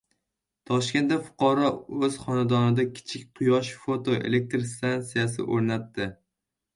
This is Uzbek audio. Toshkentda fuqaro o‘z xonadonida kichik quyosh foto elektr stansiyasi o‘rnatdi